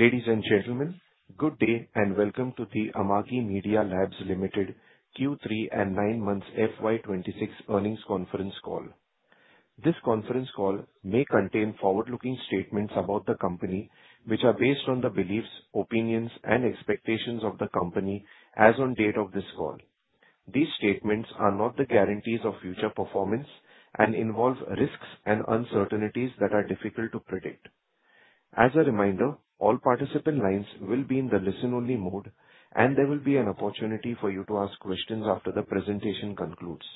Ladies and gentlemen, good day and welcome to the Amagi Media Labs Limited Q3 and nine months FY 2026 earnings conference call. This conference call may contain forward-looking statements about the company, which are based on the beliefs, opinions, and expectations of the company as on date of this call. These statements are not the guarantees of future performance and involve risks and uncertainties that are difficult to predict. As a reminder, all participant lines will be in the listen-only mode, and there will be an opportunity for you to ask questions after the presentation concludes.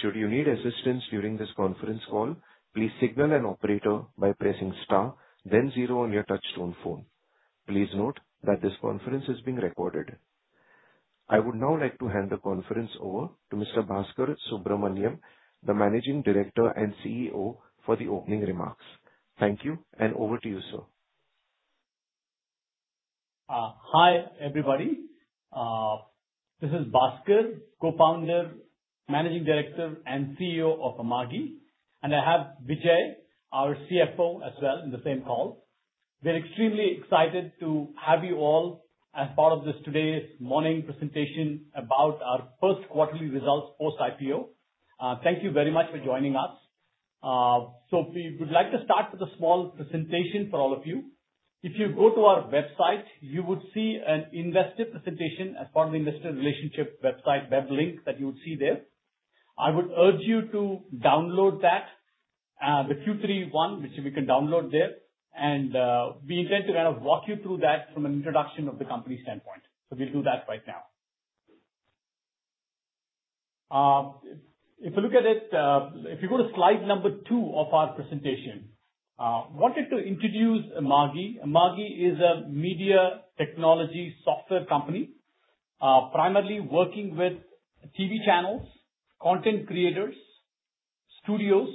Should you need assistance during this conference call, please signal an operator by pressing star then zero on your touchtone phone. Please note that this conference is being recorded. I would now like to hand the conference over to Mr. Baskar Subramanian, the Managing Director and CEO, for the opening remarks. Thank you, and over to you, sir. Hi, everybody. This is Baskar, Co-founder, Managing Director, and CEO of Amagi, and I have Vijay, our CFO, as well in the same call. We're extremely excited to have you all as part of this today's morning presentation about our first quarterly results post-IPO. Thank you very much for joining us. We would like to start with a small presentation for all of you. If you go to our website, you would see an investor presentation, a formal investor relationship website web link that you would see there. I would urge you to download that, the Q3 one, which we can download there. We intend to kind of walk you through that from an introduction of the company standpoint. We'll do that right now. If you go to slide number two of our presentation, wanted to introduce Amagi. Amagi is a media technology software company, primarily working with TV channels, content creators, studios,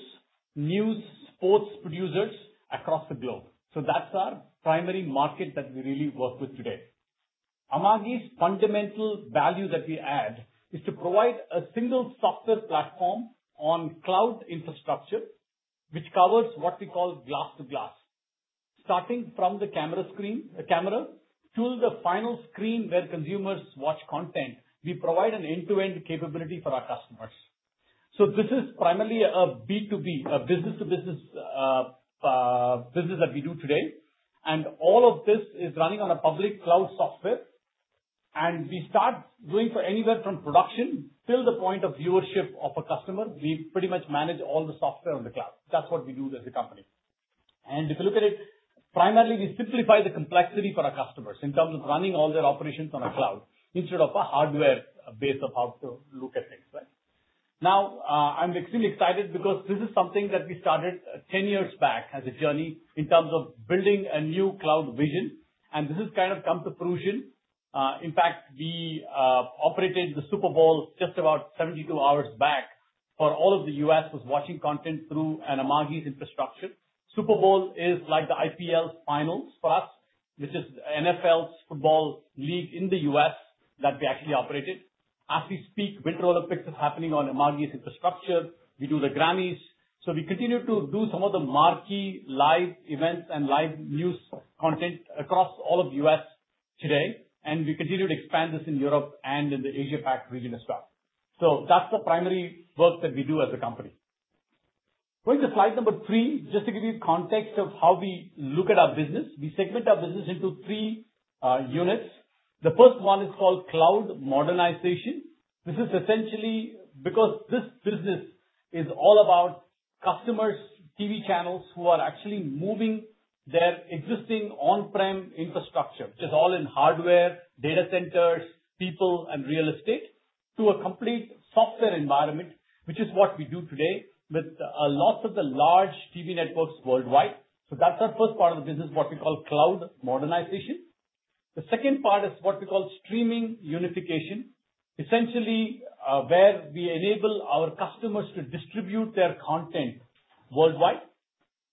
news, sports producers across the globe. That's our primary market that we really work with today. Amagi's fundamental value that we add is to provide a single software platform on cloud infrastructure, which covers what we call glass to glass. Starting from the camera to the final screen where consumers watch content, we provide an end-to-end capability for our customers. This is primarily a B2B, a business-to-business business that we do today. All of this is running on a public cloud software. We start going for anywhere from production till the point of viewership of a customer. We pretty much manage all the software on the cloud. That's what we do as a company. If you look at it, primarily, we simplify the complexity for our customers in terms of running all their operations on a cloud instead of a hardware base of how to look at things. Now, I'm extremely excited because this is something that we started 10 years back as a journey in terms of building a new cloud vision, and this has kind of come to fruition. In fact, we operated the Super Bowl just about 72 hours back for all of the U.S. was watching content through Amagi's infrastructure. Super Bowl is like the IPL finals for us, which is NFL's football league in the U.S. that we actually operated. As we speak, Winter Olympics is happening on Amagi's infrastructure. We do the Grammys. We continue to do some of the marquee live events and live news content across all of U.S. today, and we continue to expand this in Europe and in the Asia-Pac region as well. That's the primary work that we do as a company. Going to slide number three, just to give you context of how we look at our business. We segment our business into three units. The first one is called cloud modernization. This is essentially because this business is all about customers, TV channels, who are actually moving their existing on-prem infrastructure, which is all in hardware, data centers, people, and real estate, to a complete software environment, which is what we do today with a lot of the large TV networks worldwide. That's our first part of the business, what we call cloud modernization. The second part is what we call streaming unification, essentially, where we enable our customers to distribute their content worldwide.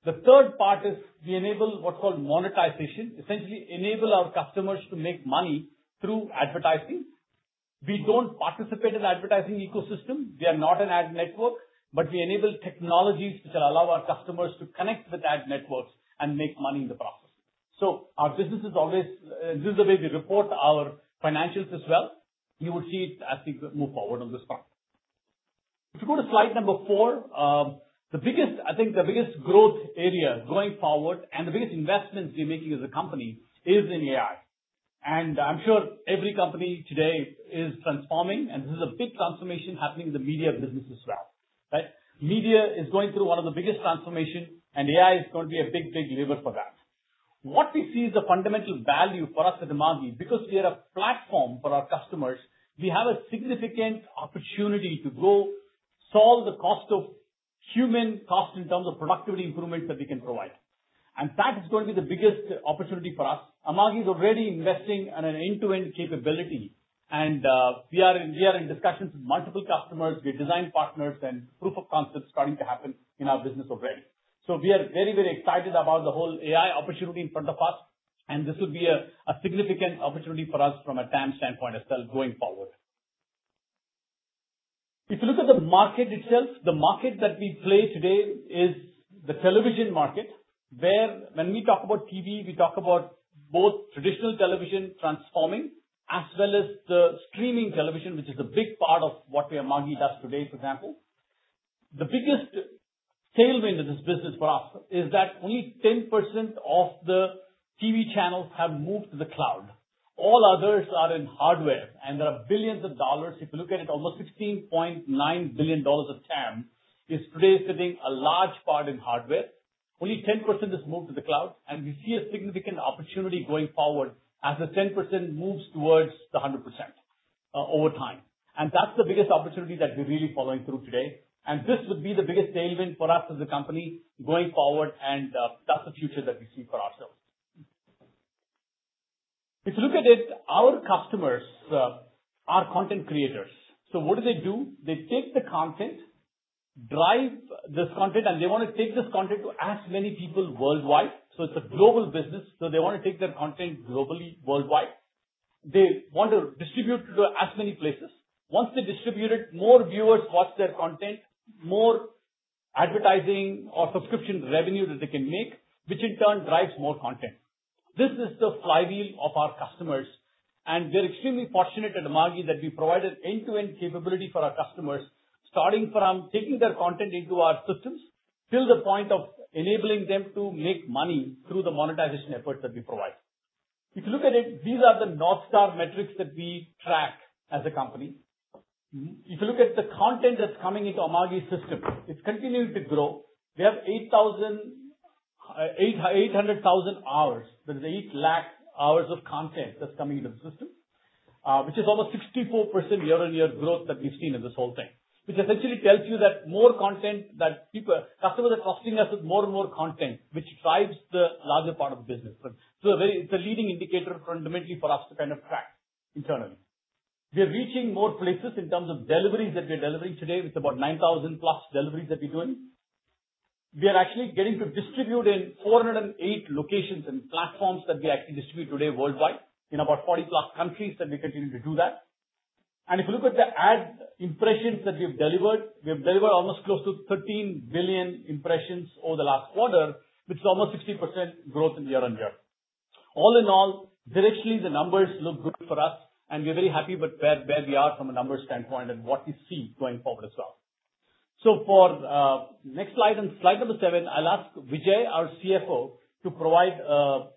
The third part is we enable what's called monetization, essentially enable our customers to make money through advertising. We don't participate in advertising ecosystem. We are not an ad network, but we enable technologies which allow our customers to connect with ad networks and make money in the process. This is the way we report our financials as well. You will see it as we move forward on this front. If you go to slide number four, I think the biggest growth area going forward and the biggest investments we're making as a company is in AI. I'm sure every company today is transforming, and this is a big transformation happening in the media business as well. Right? Media is going through one of the biggest transformation, and AI is going to be a big, big lever for that. What we see is the fundamental value for us at Amagi, because we are a platform for our customers. We have a significant opportunity to go solve the cost of human cost in terms of productivity improvements that we can provide. That is going to be the biggest opportunity for us. Amagi is already investing in an end-to-end capability, and we are in discussions with multiple customers. We are design partners, and proof of concept is starting to happen in our business already. We are very excited about the whole AI opportunity in front of us, and this will be a significant opportunity for us from a TAM standpoint as well going forward. The market itself, the market that we play today is the television market, where when we talk about TV, we talk about both traditional television transforming as well as the streaming television, which is a big part of what Amagi does today, for example. The biggest tailwind in this business for us is that only 10% of the TV channels have moved to the cloud. All others are in hardware, and there are billions of dollars. If you look at it, almost $16.9 billion of TAM is today sitting a large part in hardware. Only 10% has moved to the cloud, and we see a significant opportunity going forward as the 10% moves towards the 100% over time. That's the biggest opportunity that we're really following through today. This would be the biggest tailwind for us as a company going forward, and that's the future that we see for ourselves. If you look at it, our customers are content creators. What do they do? They take the content, drive this content, and they want to take this content to as many people worldwide. It's a global business. They want to take their content globally, worldwide. They want to distribute to as many places. Once they distribute it, more viewers watch their content, more advertising or subscription revenue that they can make, which in turn drives more content. This is the flywheel of our customers, and we're extremely fortunate at Amagi that we provide an end-to-end capability for our customers, starting from taking their content into our systems, till the point of enabling them to make money through the monetization efforts that we provide. If you look at it, these are the North Star metrics that we track as a company. If you look at the content that's coming into Amagi system, it's continuing to grow. We have 800,000 hours. That is 8 lakh hours of content that's coming into the system, which is almost 64% year-on-year growth that we've seen in this whole thing, which essentially tells you that more content that customers are entrusting us with more and more content, which drives the larger part of the business. It's a leading indicator fundamentally for us to kind of track internally. We are reaching more places in terms of deliveries that we're delivering today with about 9,000-plus deliveries that we're doing. We are actually getting to distribute in 408 locations and platforms that we actually distribute today worldwide in about 40-plus countries, and we continue to do that. If you look at the ad impressions that we've delivered, we've delivered almost close to 13 billion impressions over the last quarter, which is almost 60% growth in year-on-year. All in all, directionally, the numbers look good for us, and we're very happy with where we are from a numbers standpoint and what we see going forward as well. For next slide number seven, I'll ask Vijay, our CFO, to provide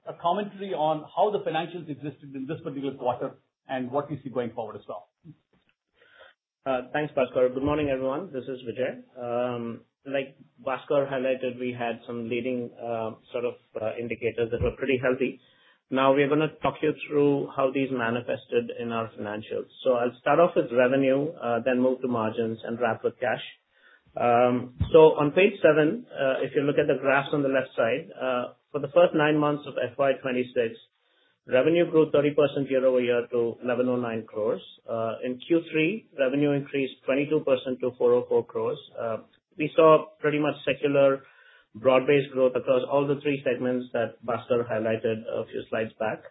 a commentary on how the financials existed in this particular quarter and what we see going forward as well. Thanks, Bhaskar. Good morning, everyone. This is Vijay. Like Bhaskar highlighted, we had some leading sort of indicators that were pretty healthy. We're going to talk you through how these manifested in our financials. I'll start off with revenue, then move to margins, and wrap with cash. On page seven, if you look at the graphs on the left side, for the first nine months of FY 2026, revenue grew 30% year-over-year to 1,109 crores. In Q3, revenue increased 22% to 404 crores. We saw pretty much secular broad-based growth across all the three segments that Bhaskar highlighted a few slides back.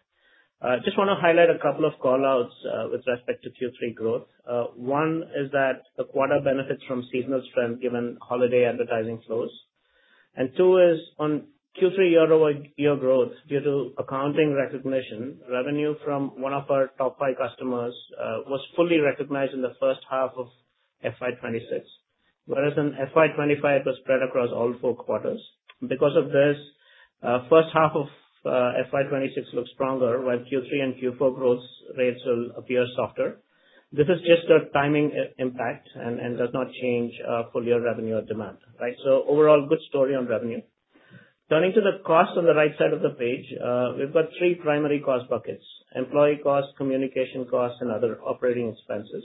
Just want to highlight a couple of call-outs with respect to Q3 growth. One is that the quarter benefits from seasonal strength given holiday advertising flows. Two is on Q3 year-over-year growth due to accounting recognition, revenue from one of our top five customers was fully recognized in the first half of FY 2026, whereas in FY 2025, it was spread across all four quarters. This, first half of FY 2026 looks stronger, while Q3 and Q4 growth rates will appear softer. This is just a timing impact and does not change full-year revenue or demand. Overall, good story on revenue. Turning to the cost on the right side of the page. We've got three primary cost buckets: employee costs, communication costs, and other operating expenses.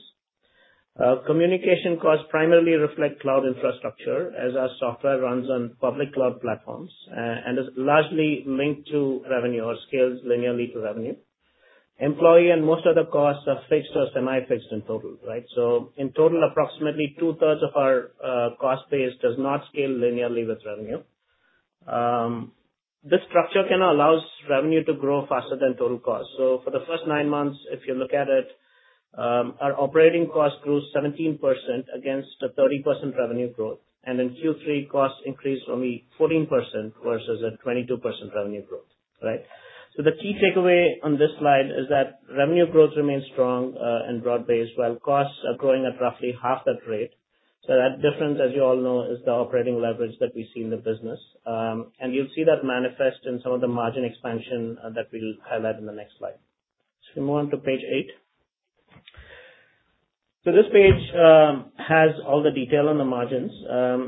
Communication costs primarily reflect cloud infrastructure as our software runs on public cloud platforms and is largely linked to revenue or scales linearly to revenue. Employee and most other costs are fixed or semi-fixed in total. In total, approximately two-thirds of our cost base does not scale linearly with revenue. This structure kind of allows revenue to grow faster than total cost. For the first nine months, if you look at it, our operating cost grew 17% against a 30% revenue growth. In Q3, costs increased only 14% versus a 22% revenue growth. The key takeaway on this slide is that revenue growth remains strong and broad-based, while costs are growing at roughly half that rate. That difference, as you all know, is the operating leverage that we see in the business. You'll see that manifest in some of the margin expansion that we'll highlight in the next slide. We move on to page eight. This page has all the detail on the margins.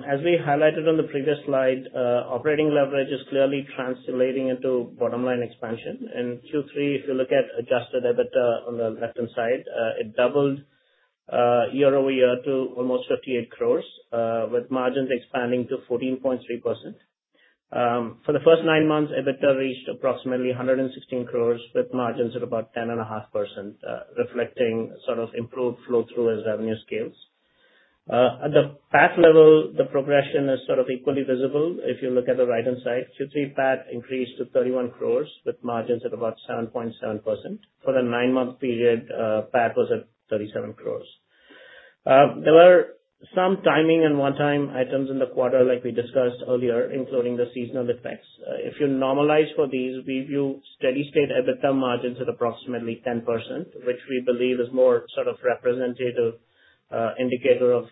As we highlighted on the previous slide, operating leverage is clearly translating into bottom-line expansion. In Q3, if you look at adjusted EBITDA on the left-hand side, it doubled year-over-year to almost 58 crores, with margins expanding to 14.3%. For the first nine months, EBITDA reached approximately 116 crores, with margins at about 10.5%, reflecting sort of improved flow through as revenue scales. At the PAT level, the progression is sort of equally visible. If you look at the right-hand side, Q3 PAT increased to 31 crores, with margins at about 7.7%. For the nine-month period, PAT was at 37 crores. There were some timing and one-time items in the quarter, like we discussed earlier, including the seasonal effects. If you normalize for these, we view steady state EBITDA margins at approximately 10%, which we believe is more representative indicator of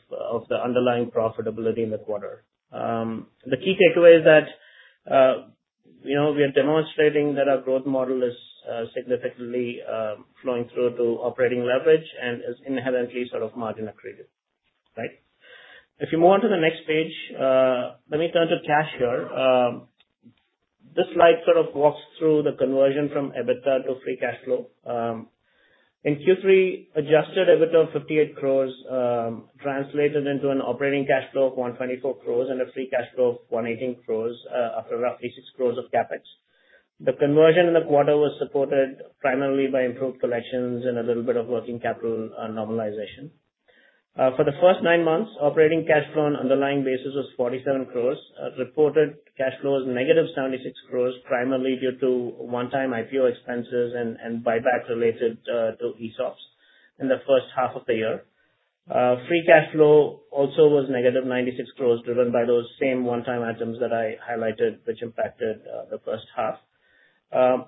the underlying profitability in the quarter. The key takeaway is that we are demonstrating that our growth model is significantly flowing through to operating leverage and is inherently margin accretive. If you move on to the next page, let me turn to cash here. This slide walks through the conversion from EBITDA to free cash flow. In Q3, adjusted EBITDA of 58 crores translated into an operating cash flow of 124 crores and a free cash flow of 118 crores, after roughly 6 crores of CapEx. The conversion in the quarter was supported primarily by improved collections and a little bit of working capital normalization. For the first nine months, operating cash flow on underlying basis was 47 crores. Reported cash flow is negative 76 crores, primarily due to one-time IPO expenses and buyback related to ESOPs in the first half of the year. Free cash flow also was negative 96 crores, driven by those same one-time items that I highlighted, which impacted the first half.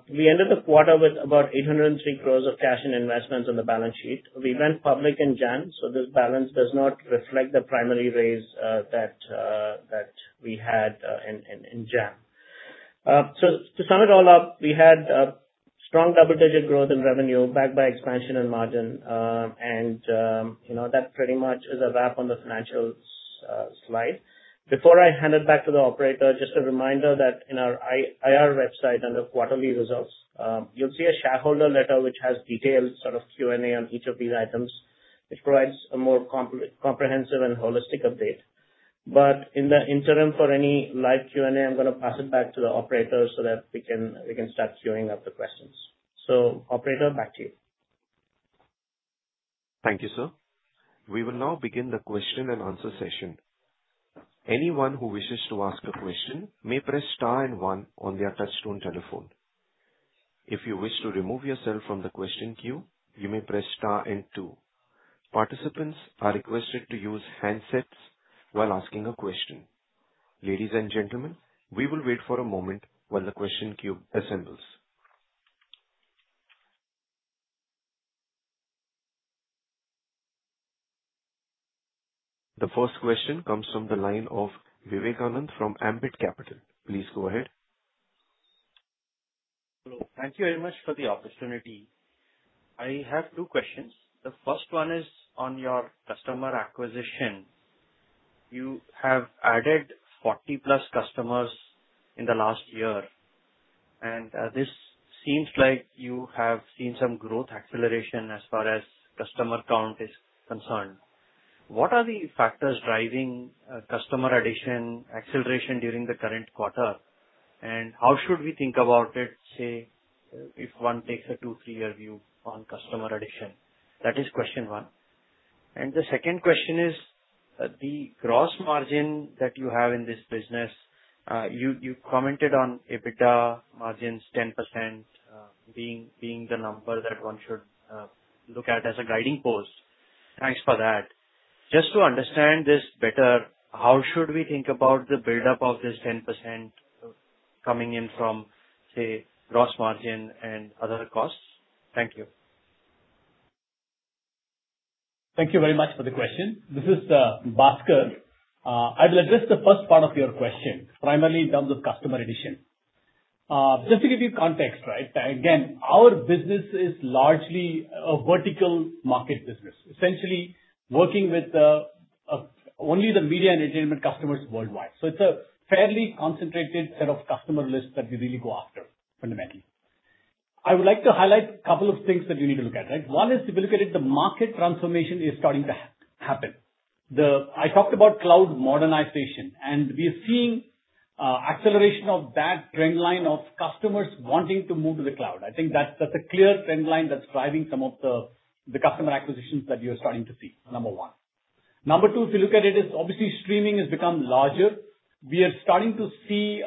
We ended the quarter with about 803 crores of cash and investments on the balance sheet. We went public in January, so this balance does not reflect the primary raise that we had in January. To sum it all up, we had strong double-digit growth in revenue, backed by expansion in margin, and that pretty much is a wrap on the financials slide. Before I hand it back to the operator, just a reminder that in our IR website, under quarterly results, you will see a shareholder letter, which has detailed Q&A on each of these items, which provides a more comprehensive and holistic update. In the interim, for any live Q&A, I am going to pass it back to the operator so that we can start queuing up the questions. Operator, back to you. Thank you, sir. We will now begin the question and answer session. Anyone who wishes to ask a question may press star and one on their touch-tone telephone. If you wish to remove yourself from the question queue, you may press star and two. Participants are requested to use handsets while asking a question. Ladies and gentlemen, we will wait for a moment while the question queue assembles. The first question comes from the line of Vivek Subbaraman from Ambit Capital. Please go ahead. Hello. Thank you very much for the opportunity. I have two questions. The first one is on your customer acquisition. You have added 40-plus customers in the last year, and this seems like you have seen some growth acceleration as far as customer count is concerned. What are the factors driving customer addition acceleration during the current quarter, and how should we think about it, say, if one takes a two, three-year view on customer addition? That is question one. The second question is the gross margin that you have in this business. You commented on EBITDA margins 10% being the number that one should look at as a guiding post. Thanks for that. Just to understand this better, how should we think about the buildup of this 10% coming in from, say, gross margin and other costs? Thank you. Thank you very much for the question. This is Baskar. I will address the first part of your question primarily in terms of customer addition. Just to give you context. Our business is largely a vertical market business, essentially working with only the media and entertainment customers worldwide. It's a fairly concentrated set of customer lists that we really go after fundamentally. I would like to highlight a couple of things that you need to look at. One is, if you look at it, the market transformation is starting to happen. I talked about cloud modernization, and we are seeing acceleration of that trend line of customers wanting to move to the cloud. I think that's a clear trend line that's driving some of the customer acquisitions that you're starting to see. Number one. Number two, if you look at it, is obviously streaming has become larger. We are starting to see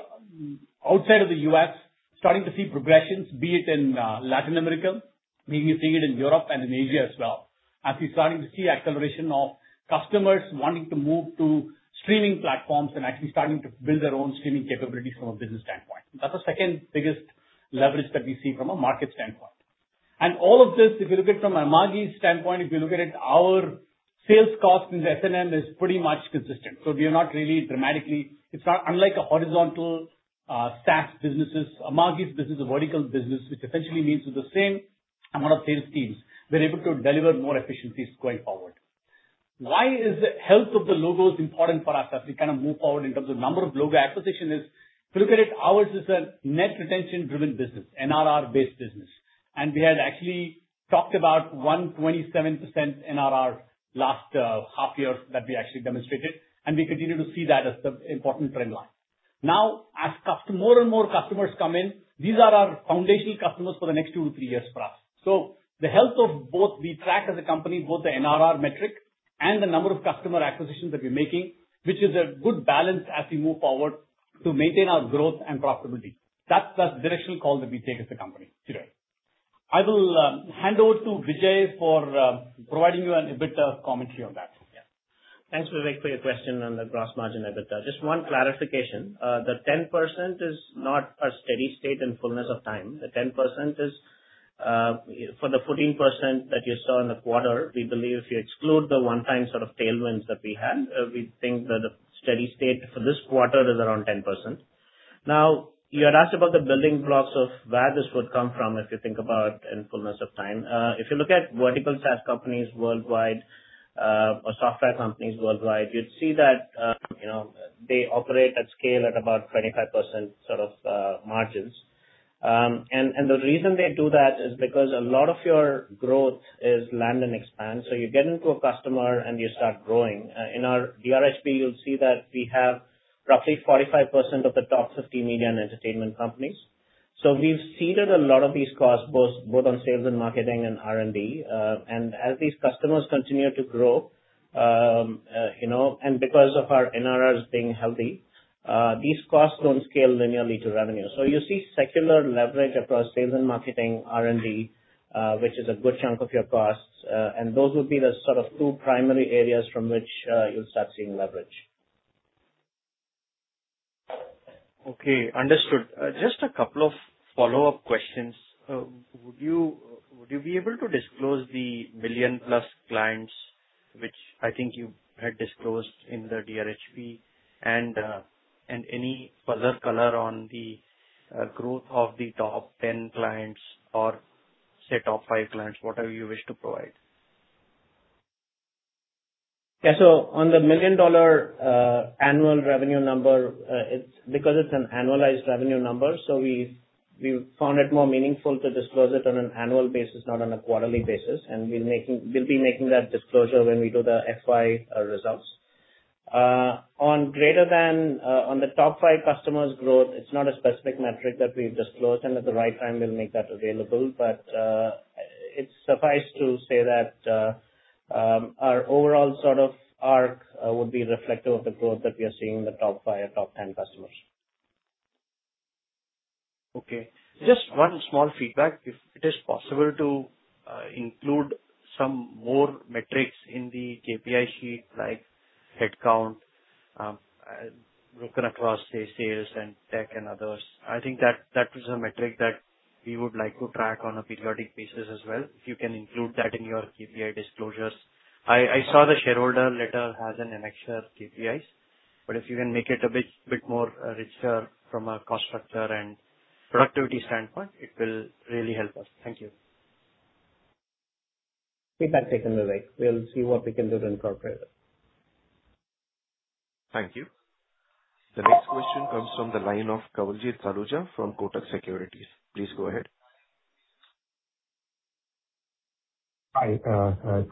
outside of the U.S., starting to see progressions, be it in Latin America, maybe you see it in Europe and in Asia as well, as we're starting to see acceleration of customers wanting to move to streaming platforms and actually starting to build their own streaming capabilities from a business standpoint. That's the second-biggest leverage that we see from a market standpoint. All of this, if you look at it from Amagi's standpoint, if you look at it, our sales cost in S&M is pretty much consistent. We are not really dramatically It's not unlike a horizontal SaaS businesses. Amagi's business is a vertical business, which essentially means with the same amount of sales teams, we're able to deliver more efficiencies going forward. Why is the health of the logos important for us as we move forward in terms of number of logo acquisition is, if you look at it, ours is a net retention-driven business, NRR-based business. We had actually talked about 127% NRR last half year that we actually demonstrated, and we continue to see that as the important trend line. As more and more customers come in, these are our foundational customers for the next two to three years for us. The health of both, we track as a company, both the NRR metric and the number of customer acquisitions that we're making, which is a good balance as we move forward to maintain our growth and profitability. That's the directional call that we take as a company today. I will hand over to Vijay for providing you a bit of commentary on that. Yeah. Thanks, Vivek, for your question on the gross margin EBITDA. Just one clarification. The 10% is not a steady state in fullness of time. For the 14% that you saw in the quarter, we believe if you exclude the one-time sort of tailwinds that we had, we think that the steady state for this quarter is around 10%. You had asked about the building blocks of where this would come from, if you think about in fullness of time. If you look at vertical SaaS companies worldwide, or software companies worldwide, you'd see that they operate at scale at about 25% sort of margins. The reason they do that is because a lot of your growth is land and expand. You get into a customer and you start growing. In our DRHP, you'll see that we have roughly 45% of the top 50 media and entertainment companies. We've seeded a lot of these costs, both on sales and marketing and R&D. As these customers continue to grow, and because of our NRRs being healthy, these costs don't scale linearly to revenue. You see secular leverage across sales and marketing, R&D, which is a good chunk of your costs. Those would be the sort of two primary areas from which you'll start seeing leverage. Okay, understood. Just a couple of follow-up questions. Would you be able to disclose the million-plus clients, which I think you had disclosed in the DRHP, and any further color on the growth of the top 10 clients or set of five clients, whatever you wish to provide? On the million-dollar annual revenue number, because it's an annualized revenue number, we found it more meaningful to disclose it on an annual basis, not on a quarterly basis. We'll be making that disclosure when we do the FY results. On the top five customers growth, it's not a specific metric that we've disclosed. At the right time, we'll make that available. It's suffice to say that our overall sort of arc would be reflective of the growth that we are seeing in the top five or top 10 customers. Just one small feedback. If it is possible to include some more metrics in the KPI sheet, like headcount, broken across, say, sales and tech and others. I think that is a metric that we would like to track on a periodic basis as well, if you can include that in your KPI disclosures. I saw the shareholder letter has an annexure KPIs. If you can make it a bit more richer from a cost structure and productivity standpoint, it will really help us. Thank you. Feedback taken, Vivek. We'll see what we can do to incorporate it. Thank you. The next question comes from the line of Kawaljeet Saluja from Kotak Securities. Please go ahead. Hi, it's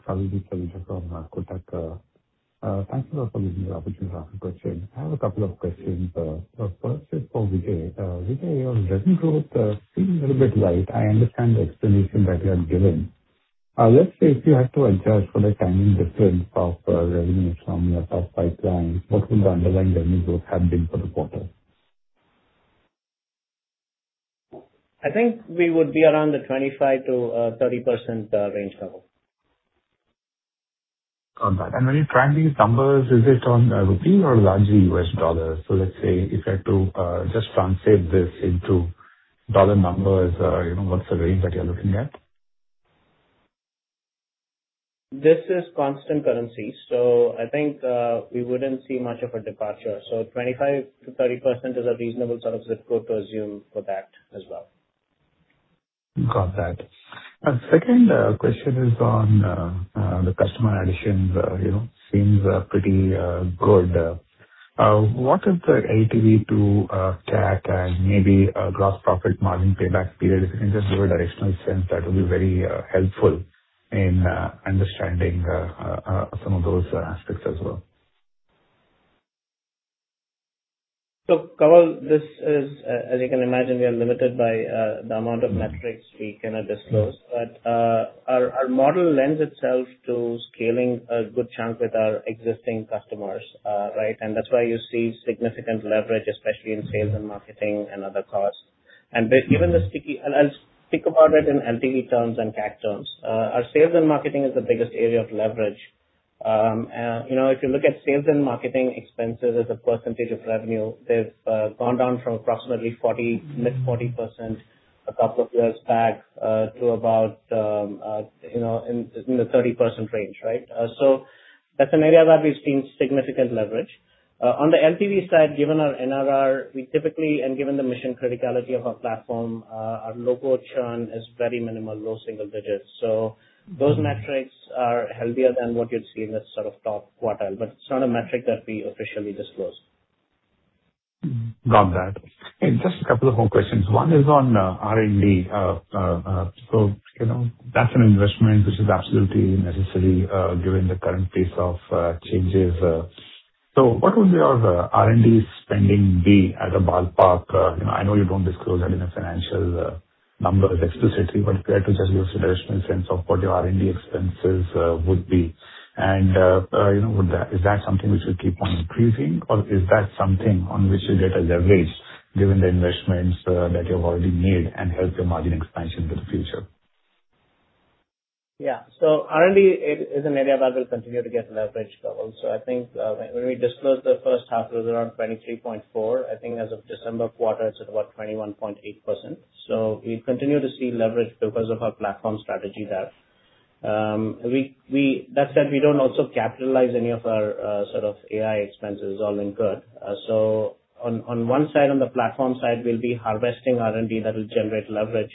Kawaljeet Saluja from Kotak. Thank you all for giving me the opportunity to ask a question. I have a couple of questions. The first is for Vijay. Vijay, your revenue growth seems a little bit light. I understand the explanation that you have given. Let's say if you have to adjust for the timing difference of revenues from your top five clients, what will the underlying revenue growth have been for the quarter? I think we would be around the 25%-30% range level. Got that. When you track these numbers, is it on INR or largely US dollars? Let's say if I had to just translate this into USD numbers, what's the range that you're looking at? This is constant currency, I think we wouldn't see much of a departure. 25%-30% is a reasonable sort of zip code to assume for that as well. Got that. Second question is on the customer additions. Seems pretty good. What is the LTV to CAC and maybe gross profit margin payback period? If you can just give a directional sense, that will be very helpful in understanding some of those aspects as well. Kawal, as you can imagine, we are limited by the amount of metrics we can disclose, but our model lends itself to scaling a good chunk with our existing customers. Right? That's why you see significant leverage, especially in sales and marketing and other costs. I'll speak about it in LTV terms and CAC terms. Our sales and marketing is the biggest area of leverage. If you look at sales and marketing expenses as a percentage of revenue, they've gone down from approximately mid-40% a couple of years back to about in the 30% range. Right? That's an area that we've seen significant leverage. On the LTV side, given our NRR, and given the mission criticality of our platform, our logo churn is very minimal, low single digits. Those metrics are healthier than what you'd see in the sort of top quartile, but it's not a metric that we officially disclose. Got that. Just a couple of more questions. One is on R&D. That's an investment which is absolutely necessary given the current pace of changes. What would your R&D spending be as a ballpark? I know you don't disclose that in a financial number explicitly, but if you had to just give us a directional sense of what your R&D expenses would be. Is that something which will keep on increasing, or is that something on which you get a leverage given the investments that you have already made and help your margin expansion for the future? R&D is an area that will continue to get leverage levels. I think when we disclosed the first half, it was around 23.4%. I think as of December quarter, it is at about 21.8%. We continue to see leverage because of our platform strategy there. That said, we do not also capitalize any of our AI expenses, all incurred. On one side, on the platform side, we will be harvesting R&D that will generate leverage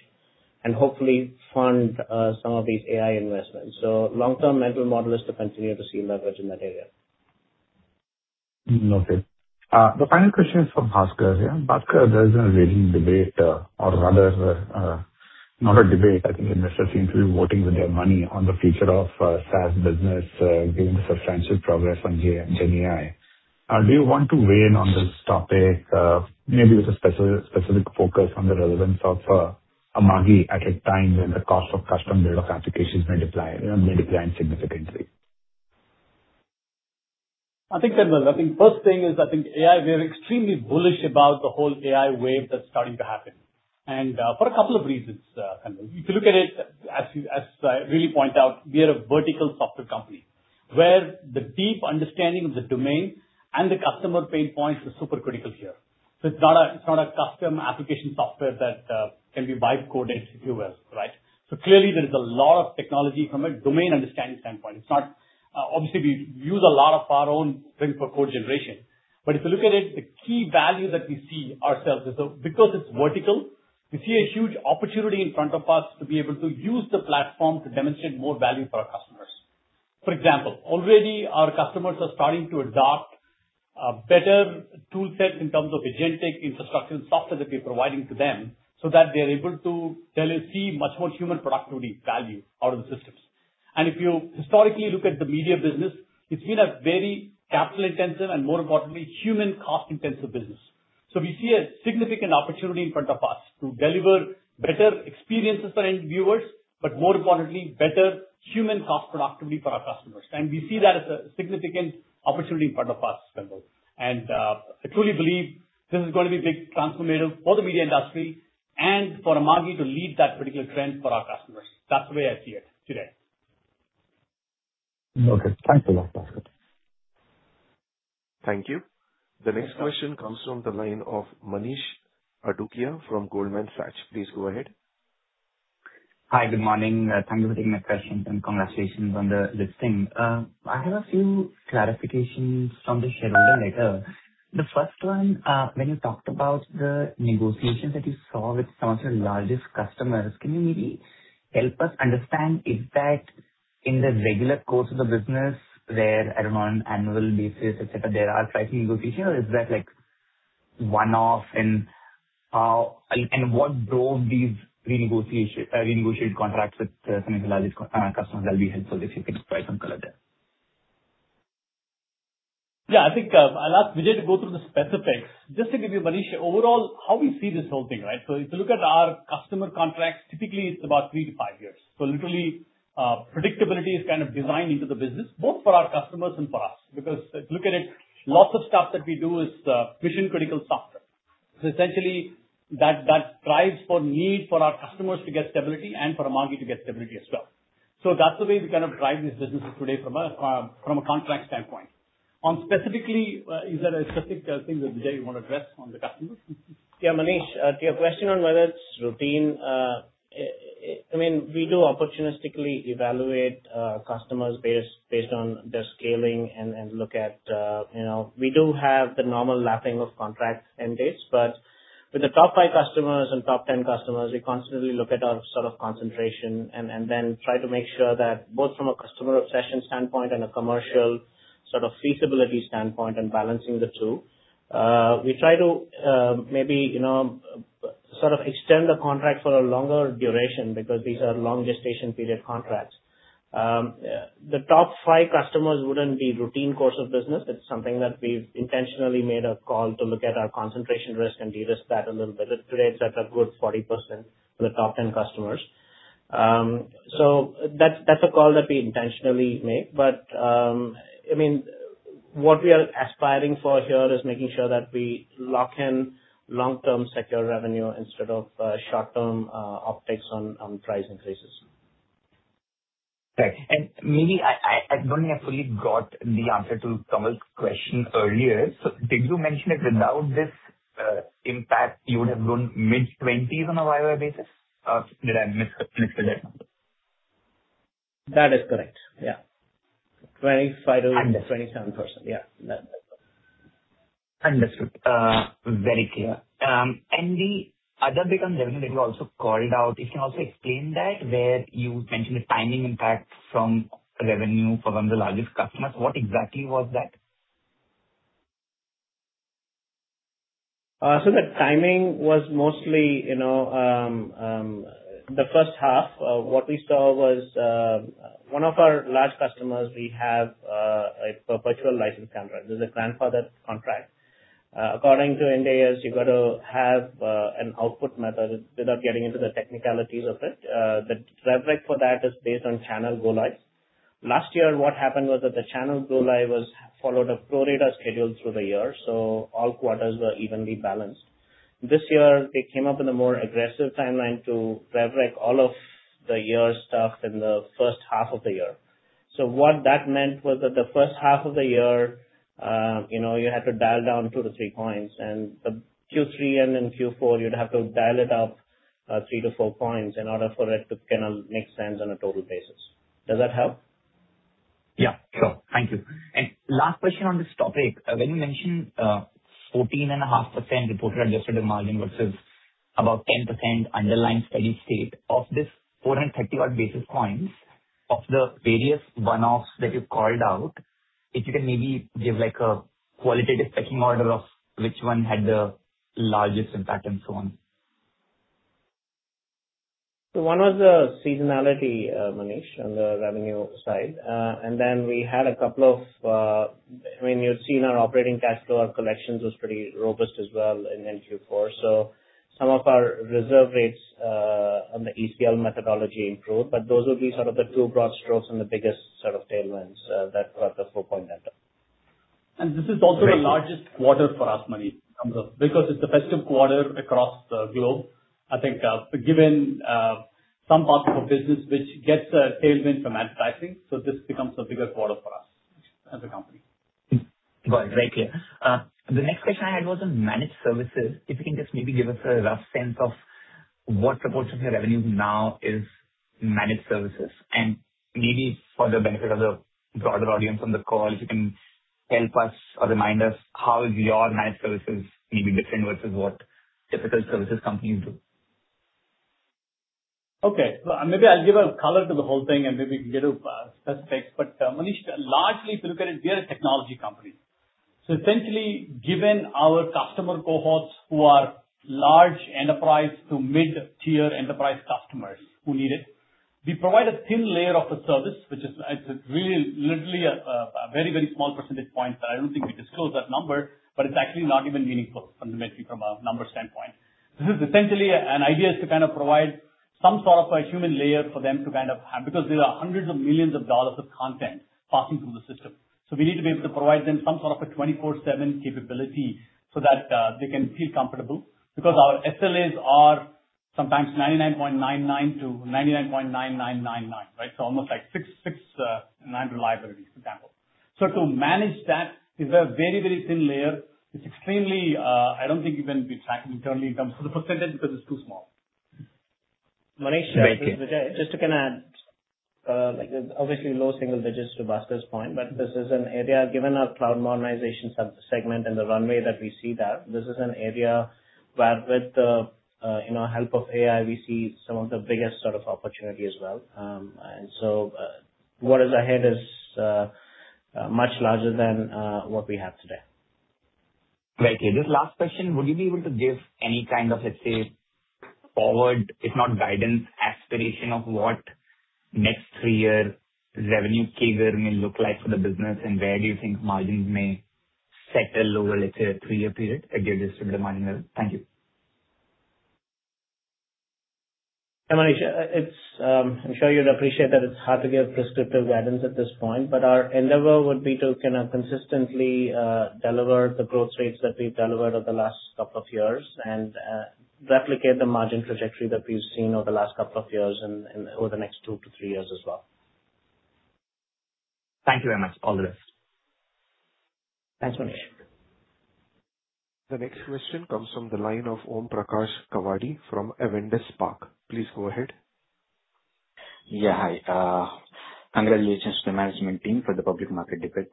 and hopefully fund some of these AI investments. Long-term mental model is to continue to see leverage in that area. Okay. The final question is from Bhaskar. Yeah, Bhaskar, there is a raging debate, or rather, not a debate. I think investors seem to be voting with their money on the future of SaaS business, given the substantial progress on GenAI. Do you want to weigh in on this topic? Maybe with a specific focus on the relevance of Amagi at a time when the cost of custom build of applications may decline significantly. First thing is, AI, we are extremely bullish about the whole AI wave that is starting to happen. For a couple of reasons. If you look at it, as Sree pointed out, we are a vertical software company, where the deep understanding of the domain and the customer pain points is super critical here. It is not a custom application software that can be byte-coded, if you will. Right? Clearly there is a lot of technology from a domain understanding standpoint. Obviously, we use a lot of our own things for code generation. If you look at it, the key value that we see ourselves is because it is vertical, we see a huge opportunity in front of us to be able to use the platform to demonstrate more value for our customers. For example, already our customers are starting to adopt better tool sets in terms of agentic infrastructure and software that we are providing to them so that they are able to see much more human productivity value out of the systems. If you historically look at the media business, it has been a very capital-intensive and, more importantly, human cost-intensive business. We see a significant opportunity in front of us to deliver better experiences for end viewers, but more importantly, better human cost productivity for our customers. We see that as a significant opportunity in front of us. I truly believe this is going to be big transformative for the media industry and for Amagi to lead that particular trend for our customers. That is the way I see it today. Okay. Thanks a lot, Baskar. Thank you. The next question comes from the line of Manish Poddar from Goldman Sachs. Please go ahead. Hi. Good morning. Thank you for taking my questions and congratulations on the listing. I have a few clarifications from the shareholder letter. The first one, when you talked about the negotiations that you saw with some of your largest customers, can you maybe help us understand if that in the regular course of the business where, I don't know, on annual basis, et cetera, there are pricing negotiations or is that like one-off? What drove these renegotiated contracts with some of the largest customers? That'll be helpful if you can provide some color there. Yeah, I think I'll ask Vijay to go through the specifics. Just to give you, Manish, overall how we see this whole thing, right? If you look at our customer contracts, typically it's about three to five years. Literally, predictability is kind of designed into the business both for our customers and for us. If you look at it, lots of stuff that we do is mission-critical software. Essentially that strives for need for our customers to get stability and for Amagi to get stability as well. That's the way we kind of drive these businesses today from a contract standpoint. On specifically, is there a specific thing that, Vijay, you want to address on the customers? Yeah. Manish, to your question on whether it's routine, we do opportunistically evaluate customers based on their scaling and look at. We do have the normal lapping of contract end dates. With the top 5 customers and top 10 customers, we constantly look at our sort of concentration and then try to make sure that both from a customer obsession standpoint and a commercial sort of feasibility standpoint and balancing the two. We try to maybe sort of extend the contract for a longer duration because these are long gestation period contracts. The top 5 customers wouldn't be routine course of business. It's something that we've intentionally made a call to look at our concentration risk and de-risk that a little bit. Today it's at a good 40% for the top 10 customers. That's a call that we intentionally make, what we are aspiring for here is making sure that we lock in long-term secure revenue instead of short-term optics on price increases. Right. Maybe I don't actually got the answer to Kamal's question earlier. Did you mention that without this impact, you would have grown mid-20s on a YOY basis? Did I mishear that number? That is correct. Yeah. 25%-27%. Yeah. Understood. Very clear. The other big revenue that you also called out, if you can also explain that where you mentioned the timing impact from revenue from one of the largest customers. What exactly was that? That timing was mostly the first half. What we saw was one of our large customers, we have a perpetual license contract. This is a grandfathered contract. According to Ind AS, you got to have an output method without getting into the technicalities of it. The rubric for that is based on channel go live. Last year, what happened was that the channel go-live followed a pro-rata schedule through the year, so all quarters were evenly balanced. This year, they came up with a more aggressive timeline to fabric all of the year's stuff in the first half of the year. What that meant was that the first half of the year, you had to dial down two to three points, the Q3 and then Q4, you'd have to dial it up three to four points in order for it to make sense on a total basis. Does that help? Yeah, sure. Thank you. Last question on this topic. When you mention 14.5% reported adjusted margin versus about 10% underlying steady state, of this 430 odd basis points of the various one-offs that you've called out, if you can maybe give a qualitative pecking order of which one had the largest impact, and so on. One was seasonality, Manish, on the revenue side. We had a couple of, you've seen our operating cash flow. Our collections were pretty robust as well in Q4. Some of our reserve rates on the ECL methodology improved. Those would be sort of the two broad strokes and the biggest sort of tailwinds that got the 4-point add up. This is also the largest quarter for us, Manish, because it's the festive quarter across the globe. Given some parts of our business which gets a tailwind from advertising, this becomes a bigger quarter for us as a company. Got it. Very clear. The next question I had was on managed services. If you can just maybe give us a rough sense of what proportion of your revenues now is managed services. Maybe for the benefit of the broader audience on the call, if you can help us or remind us how your managed services may be different versus what typical services companies do. Okay. Maybe I'll give a color to the whole thing, and maybe we can get to specifics. Manish, largely, if you look at it, we are a technology company. Essentially, given our customer cohorts who are large enterprise to mid-tier enterprise customers who need it, we provide a thin layer of the service. It is literally a very small percentage point that I don't think we disclose that number, but it's actually not even meaningful fundamentally from a numbers standpoint. This is essentially an idea to provide some sort of a human layer for them to kind of have, because there are hundreds of millions of dollars of content passing through the system. We need to be able to provide them some sort of a 24/7 capability so that they can feel comfortable. Our SLAs are sometimes 99.99% to 99.9999%, right? Almost like six nines reliability, for example. To manage that is a very thin layer. I don't think we've been tracking internally in terms of the % because it's too small. Very clear. Manish, just to add. Obviously low single digits to Baskar's point, but this is an area, given our cloud modernization subsegment and the runway that we see there, this is an area where with the help of AI, we see some of the biggest sort of opportunity as well. What is ahead is much larger than what we have today. Very clear. Just last question. Would you be able to give any kind of, let's say, forward, if not guidance, aspiration of what next three-year revenue CAGR may look like for the business, and where do you think margins may settle over, let's say, a three-year period against this sort of margin level? Thank you. Yeah, Manish, I'm sure you'd appreciate that it's hard to give prescriptive guidance at this point, but our endeavor would be to consistently deliver the growth rates that we've delivered over the last couple of years and replicate the margin trajectory that we've seen over the last couple of years and over the next two to three years as well. Thank you very much. All the best. Thanks, Manish. The next question comes from the line of Omkar Kawadi from Avendus Spark. Please go ahead. Hi. Congratulations to the management team for the public market debut,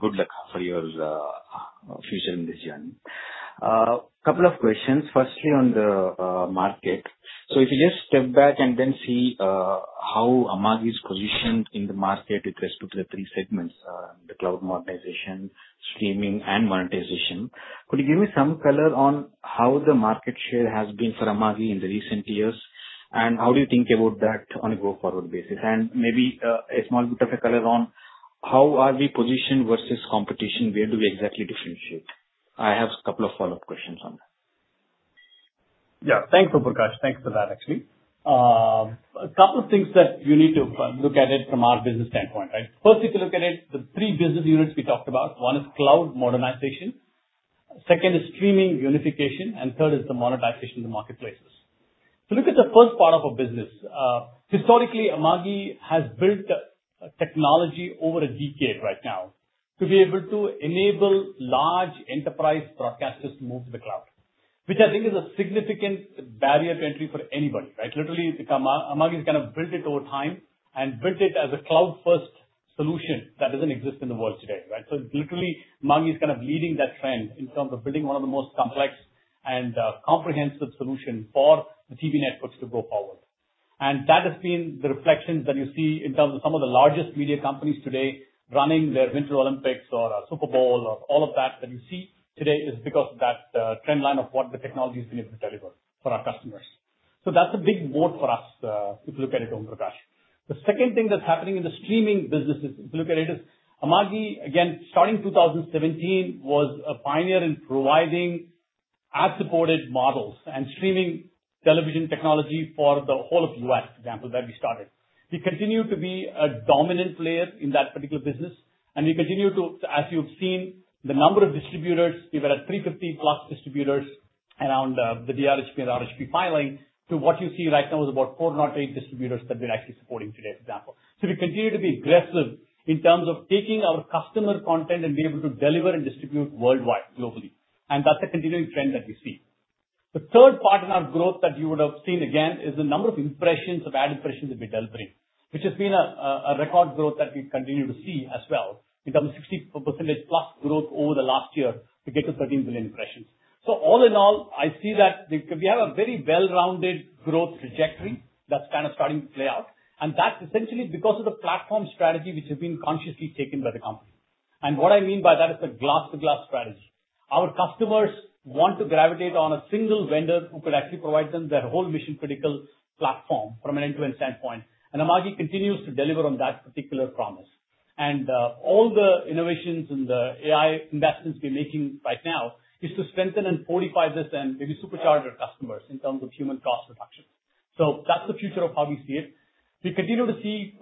good luck for your future in this journey. A couple of questions. Firstly, on the market. If you just step back and then see how Amagi is positioned in the market with respect to the three segments, the cloud modernization, streaming, and monetization, could you give me some color on how the market share has been for Amagi in the recent years, and how do you think about that on a go-forward basis? Maybe a small bit of a color on how are we positioned versus competition? Where do we exactly differentiate? I have a couple of follow-up questions on that. Thanks, Omkar. Thanks for that, actually. A couple of things that you need to look at it from our business standpoint, right? First, if you look at it, the three business units we talked about. One is cloud modernization, second is streaming unification, and third is the monetization, the marketplaces. Look at the first part of our business. Historically, Amagi has built technology over a decade right now to be able to enable large enterprise broadcasters to move to the cloud. Which I think is a significant barrier to entry for anybody, right? Literally, Amagi has built it over time and built it as a cloud-first solution that doesn't exist in the world today, right? Literally, Amagi is kind of leading that trend in terms of building one of the most complex and comprehensive solution for the TV networks to go forward. That has been the reflections that you see in terms of some of the largest media companies today running their Winter Olympics or Super Bowl or all of that you see today is because of that trend line of what the technology is going to deliver for our customers. That's a big moat for us, if you look at it, Omkar. The second thing that's happening in the streaming business, if you look at it, is Amagi, again, starting 2017, was a pioneer in providing Ad-supported models and streaming television technology for the whole of U.S., for example, where we started. We continue to be a dominant player in that particular business, we continue to, as you've seen, the number of distributors, we were at 350+ distributors around the DRHP and RHP filings to what you see right now is about 408 distributors that we're actually supporting today, for example. We continue to be aggressive in terms of taking our customer content and being able to deliver and distribute worldwide, globally. That's a continuing trend that we see. The third part in our growth that you would have seen again is the number of impressions of ad impressions that we're delivering. Which has been a record growth that we continue to see as well in terms of 60%+ growth over the last year to get to 13 billion impressions. All in all, I see that we have a very well-rounded growth trajectory that's starting to play out, That's essentially because of the platform strategy, which has been consciously taken by the company. What I mean by that is a glass-to-glass strategy. Our customers want to gravitate on a single vendor who could actually provide them their whole mission-critical platform from an end-to-end standpoint, Amagi continues to deliver on that particular promise. All the innovations and the AI investments we're making right now is to strengthen and fortify this and really supercharge our customers in terms of human cost reduction. That's the future of how we see it. We continue to see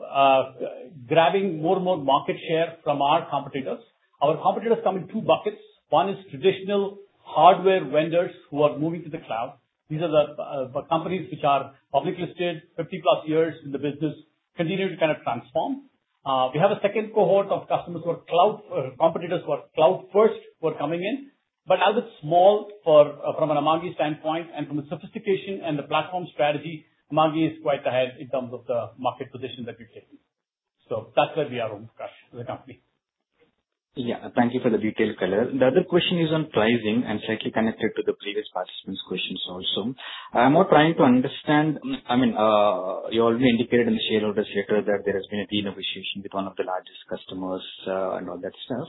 grabbing more and more market share from our competitors. Our competitors come in two buckets. One is traditional hardware vendors who are moving to the cloud. These are the companies which are publicly listed, 50-plus years in the business, continue to kind of transform. We have a second cohort of competitors who are cloud-first who are coming in. As of small from an Amagi standpoint and from a sophistication and the platform strategy, Amagi is quite ahead in terms of the market position that we take. That's where we are, Om Prakash, as a company. Thank you for the detailed color. The other question is on pricing and slightly connected to the previous participant's questions also. I'm more trying to understand, you already indicated in the shareholder's letter that there has been a deal negotiation with one of the largest customers and all that stuff.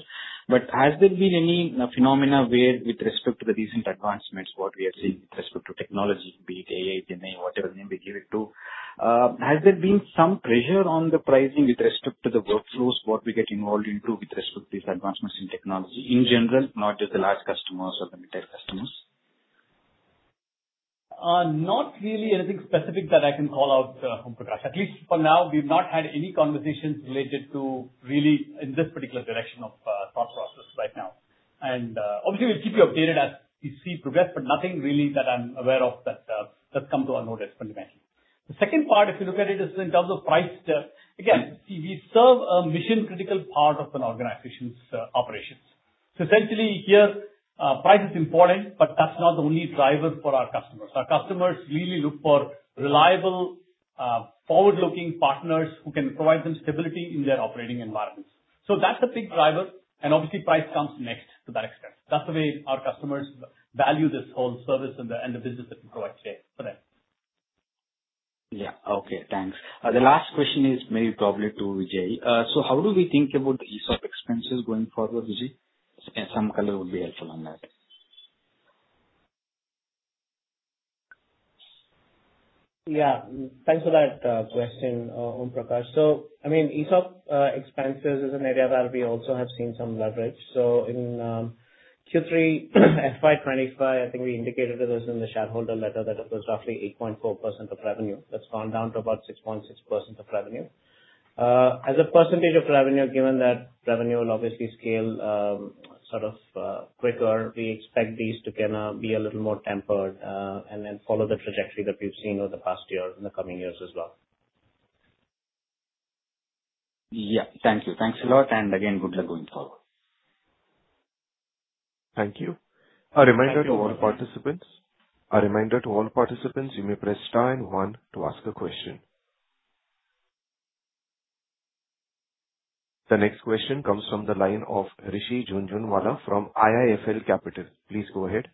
Has there been any phenomena where with respect to the recent advancements, what we are seeing with respect to technology, be it AI, DNA, whatever name we give it to, has there been some pressure on the pricing with respect to the workflows, what we get involved into with respect to these advancements in technology in general, not just the large customers or the retail customers? Not really anything specific that I can call out, Om Prakash. At least for now, we've not had any conversations related to really in this particular direction of cost pressure right now. Obviously, we'll keep you updated as we see progress, but nothing really that I'm aware of that's come to our notice fundamentally. The second part, if you look at it, is in terms of price. We serve a mission-critical part of an organization's operations. Essentially here, price is important, but that's not the only driver for our customers. Obviously price comes next to that extent. That's the way our customers value this whole service and the business that we provide today. Correct. Yeah. Okay, thanks. The last question is maybe probably to Vijay. How do we think about the ESOP expenses going forward, Vijay? Some color would be helpful on that. Yeah. Thanks for that question, Om Prakash. ESOP expenses is an area that we also have seen some leverage. In Q3 FY 2025, I think we indicated to those in the shareholder letter that it was roughly 8.4% of revenue. That's gone down to about 6.6% of revenue. As a percentage of revenue, given that revenue will obviously scale quicker, we expect these to be a little more tempered, and then follow the trajectory that we've seen over the past year in the coming years as well. Yeah. Thank you. Thanks a lot, good luck going forward. Thank you. A reminder to all participants. A reminder to all participants, you may press star and one to ask a question. The next question comes from the line of Rishi Jhunjunwala from IIFL Capital. Please go ahead.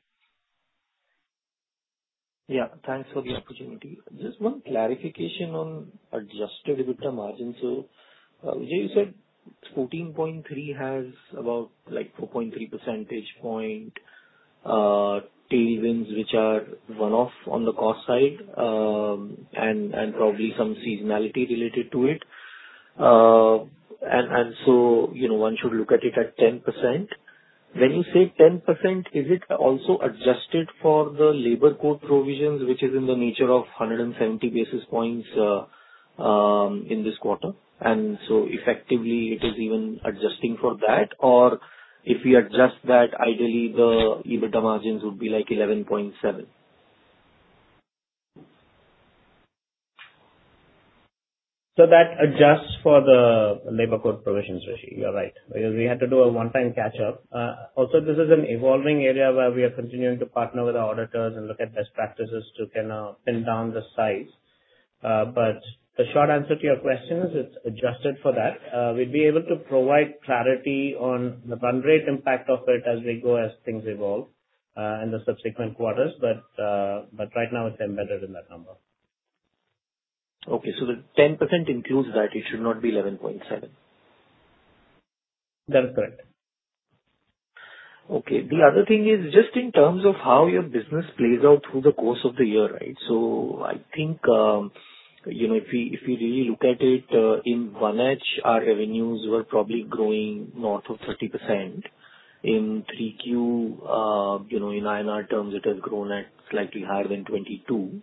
Thanks for the opportunity. Just one clarification on adjusted EBITDA margin. Vijay, you said 14.3% has about 4.3 percentage point tailwinds which are one-off on the cost side, and probably some seasonality related to it. One should look at it at 10%. When you say 10%, is it also adjusted for the Labour Codes provisions, which is in the nature of 170 basis points in this quarter? Effectively, it is even adjusting for that? If we adjust that, ideally, the EBITDA margins would be like 11.7%. That adjusts for the Labour Codes provisions, Rishi, you're right. We had to do a one-time catch-up. Also, this is an evolving area where we are continuing to partner with our auditors and look at best practices to pin down the size. The short answer to your question is it's adjusted for that. We'd be able to provide clarity on the run rate impact of it as we go, as things evolve, in the subsequent quarters. Right now it's embedded in that number. Okay. The 10% includes that, it should not be 11.7%? That's correct. Okay. The other thing is just in terms of how your business plays out through the course of the year, right? If we really look at it, in 1H, our revenues were probably growing north of 30%. In 3Q, in INR terms, it has grown at slightly higher than 22%.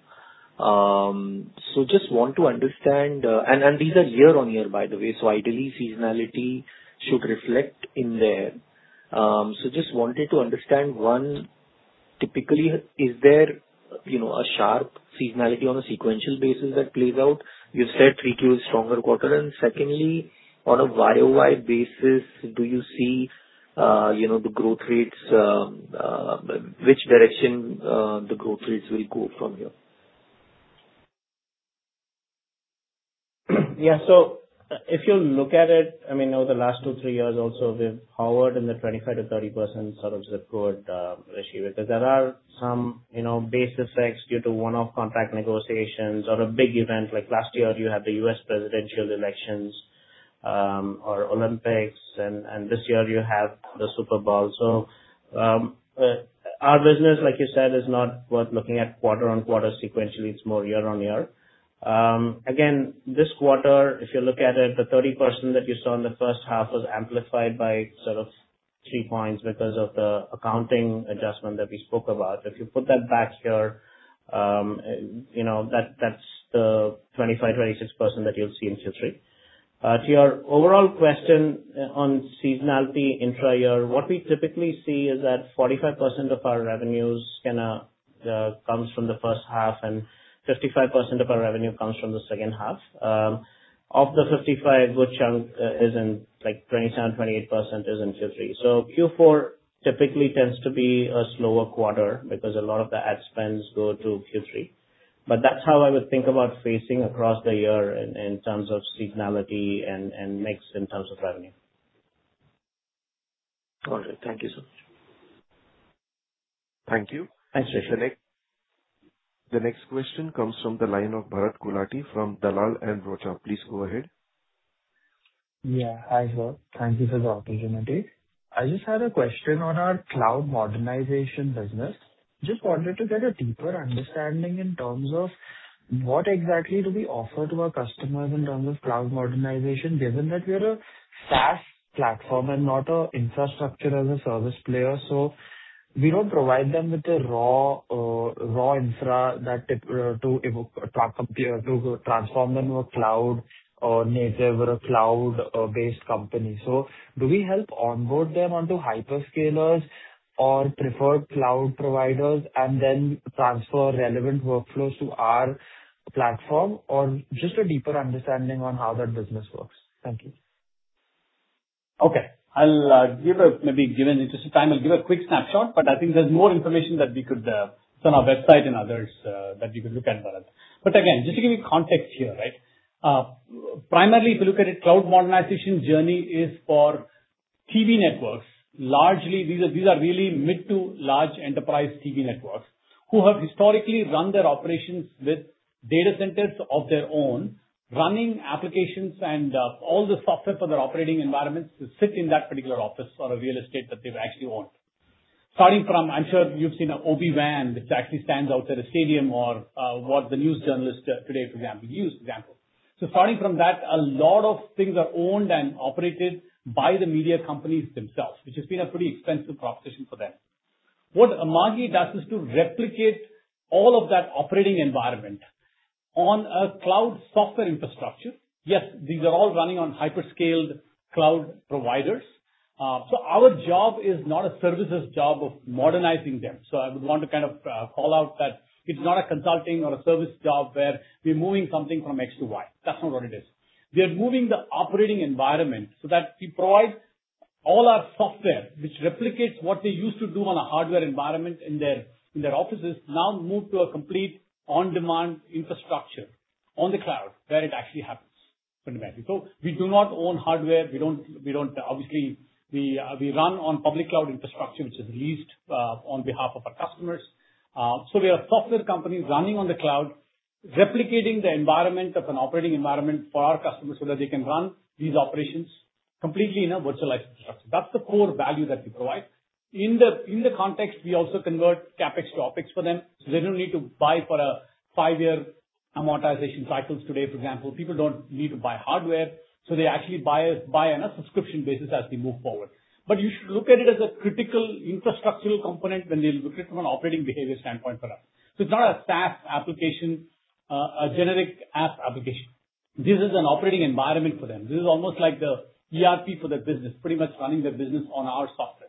These are year-over-year, by the way, so ideally, seasonality should reflect in there. Just wanted to understand, one, typically, is there a sharp seasonality on a sequential basis that plays out? You said 3Q is stronger quarter. Secondly, on a year-over-year basis, do you see the growth rates, which direction the growth rates will go from here? Yeah. If you look at it, over the last two, three years also, we've powered in the 25%-30% sort of zip code ratio. There are some base effects due to one-off contract negotiations or a big event like last year you had the U.S. presidential elections or Olympics, and this year you have the Super Bowl. Our business, like you said, is not worth looking at quarter-over-quarter sequentially. It's more year-over-year. Again, this quarter, if you look at it, the 30% that you saw in the first half was amplified by sort of three points because of the accounting adjustment that we spoke about. If you put that back here, that's the 25%-26% that you'll see in Q3. To your overall question on seasonality intra-year, what we typically see is that 45% of our revenues comes from the first half and 55% of our revenue comes from the second half. Of the 55, a good chunk, like 27%-28% is in Q3. Q4 typically tends to be a slower quarter because a lot of the ad spends go to Q3. That's how I would think about phasing across the year in terms of seasonality and mix in terms of revenue. Got it. Thank you so much. Thank you. Thanks, Shashi. The next question comes from the line of Bharat Kolati from Dalal & Broacha. Please go ahead. Hi, Shashi. Thank you for the opportunity. I just had a question on our cloud modernization business. Just wanted to get a deeper understanding in terms of what exactly do we offer to our customers in terms of cloud modernization, given that we are a SaaS platform and not a infrastructure as a service player. We don't provide them with a raw infra to transform them to a cloud or native or a cloud-based company. Do we help onboard them onto hyperscalers or preferred cloud providers and then transfer relevant workflows to our platform? Just a deeper understanding on how that business works. Thank you. Okay. Given it is time, I'll give a quick snapshot, I think there's more information that we could, from our website and others, that we could look at for that. Again, just to give you context here. Primarily, if you look at it, cloud modernization journey is for TV networks. Largely, these are really mid to large enterprise TV networks who have historically run their operations with data centers of their own, running applications and all the software for their operating environments sit in that particular office or a real estate that they've actually owned. Starting from, I'm sure you've seen an OB van which actually stands outside a stadium or what the news journalists today, for example, use. Starting from that, a lot of things are owned and operated by the media companies themselves, which has been a pretty expensive proposition for them. What Amagi does is to replicate all of that operating environment on a cloud software infrastructure. Yes, these are all running on hyperscaled cloud providers. Our job is not a services job of modernizing them. I would want to kind of call out that it's not a consulting or a service job where we're moving something from X to Y. That's not what it is. We are moving the operating environment so that we provide all our software, which replicates what they used to do on a hardware environment in their offices, now moved to a complete on-demand infrastructure on the cloud where it actually happens fundamentally. We do not own hardware. Obviously, we run on public cloud infrastructure, which is leased on behalf of our customers. We are a software company running on the cloud, replicating the environment of an operating environment for our customers so that they can run these operations completely in a virtualized infrastructure. That's the core value that we provide. In the context, we also convert CapEx to OpEx for them, so they don't need to buy for a 5-year amortization cycles today, for example. People don't need to buy hardware, so they actually buy on a subscription basis as we move forward. You should look at it as a critical infrastructural component when they look at it from an operating behavior standpoint for us. It's not a SaaS application, a generic app application. This is an operating environment for them. This is almost like the ERP for their business, pretty much running their business on our software.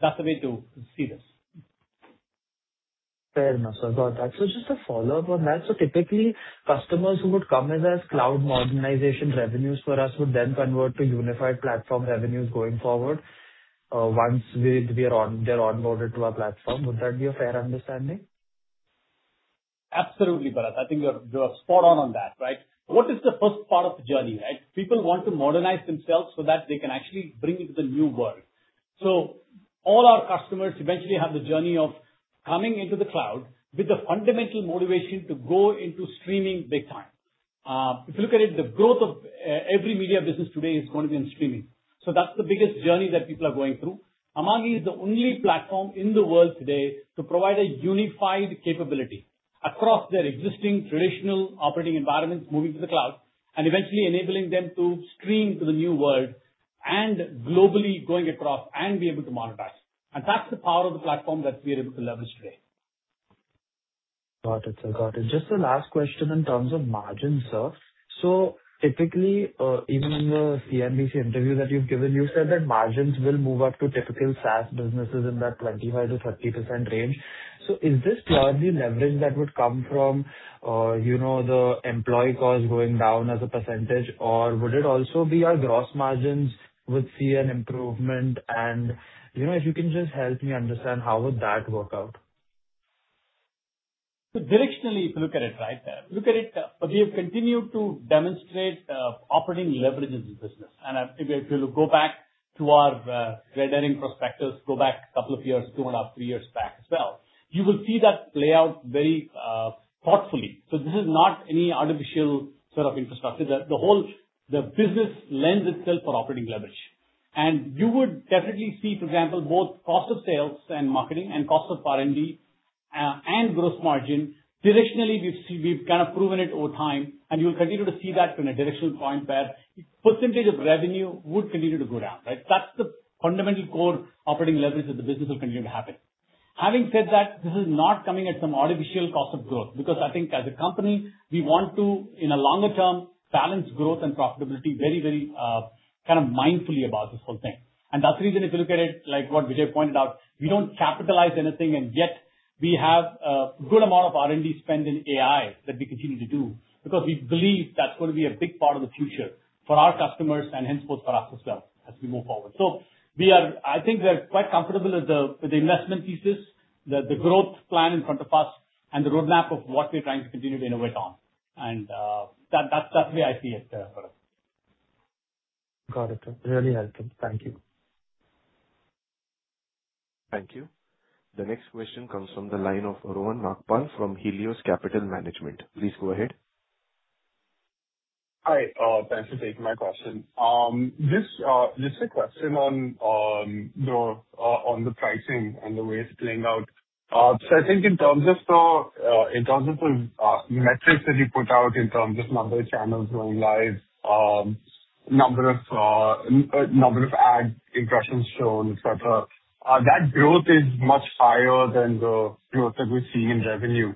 That's the way to see this. Fair enough, sir. Got that. Just a follow-up on that. Typically, customers who would come in as cloud modernization revenues for us would then convert to unified platform revenues going forward, once they're onboarded to our platform. Would that be a fair understanding? Absolutely, Bharat. I think you're spot on on that. What is the first part of the journey? People want to modernize themselves so that they can actually bring into the new world. All our customers eventually have the journey of coming into the cloud with the fundamental motivation to go into streaming big time. If you look at it, the growth of every media business today is going to be in streaming. That's the biggest journey that people are going through. Amagi is the only platform in the world today to provide a unified capability across their existing traditional operating environments, moving to the cloud, and eventually enabling them to stream to the new world and globally going across and be able to monetize. That's the power of the platform that we are able to leverage today. Got it, sir. Got it. Just the last question in terms of margins, sir. Typically, even in the CNBC interview that you've given, you said that margins will move up to typical SaaS businesses in that 25%-30% range. Is this largely leverage that would come from the employee costs going down as a percentage, or would it also be our gross margins would see an improvement? If you can just help me understand how would that work out. Directionally, if you look at it, right. Look at it, we have continued to demonstrate operating leverage in the business. If you go back to our red herring prospectus, go back a couple of years, 2.5, 3 years back as well, you will see that play out very thoughtfully. This is not any artificial sort of infrastructure. The business lends itself for operating leverage. You would definitely see, for example, both cost of sales and marketing and cost of R&D, and gross margin. Directionally, we've kind of proven it over time, and you'll continue to see that from a directional point where % of revenue would continue to go down, right? That's the fundamental core operating leverage that the business will continue to have. Having said that, this is not coming at some artificial cost of growth, because I think as a company, we want to, in a longer term, balance growth and profitability very kind of mindfully about this whole thing. That's the reason if you look at it, like what Vijay pointed out, we don't capitalize anything and yet we have a good amount of R&D spend in AI that we continue to do because we believe that's going to be a big part of the future for our customers and henceforth for us as well as we move forward. I think we're quite comfortable with the investment thesis, the growth plan in front of us, and the roadmap of what we're trying to continue to innovate on, that's the way I see it for us. Got it, sir. Really helpful. Thank you. Thank you. The next question comes from the line of Rohan Nagpal from Helios Capital Management. Please go ahead. Hi, thanks for taking my question. Just a question on the pricing and the way it's playing out. I think in terms of the metrics that you put out in terms of number of channels going live, number of ad impressions shown, et cetera, that growth is much higher than the growth that we're seeing in revenue.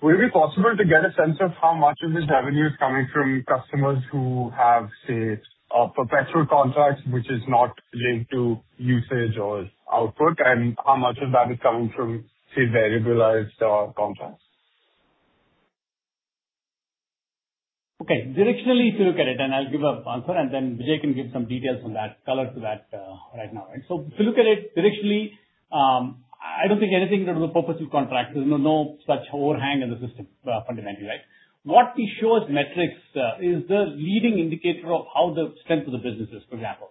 Would it be possible to get a sense of how much of this revenue is coming from customers who have, say, perpetual contracts which is not linked to usage or output, and how much of that is coming from, say, variabilized contracts? Okay. Directionally, if you look at it, I'll give an answer and then Vijay can give some details on that, color to that right now. If you look at it directionally, I don't think anything in terms of perpetual contracts, there's no such overhang in the system fundamentally, right? What we show as metrics is the leading indicator of how the strength of the business is, for example.